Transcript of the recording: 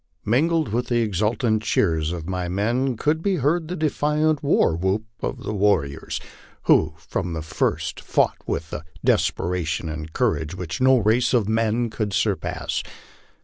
Mingled with the exul 164 LIFE ON THE PLAINS. tant cheers of my men could be heard the defiant war whoop of the warriors, who from the first fought with a desperation and courage which no race of men could surpass.